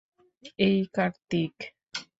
এই, কার্তিক।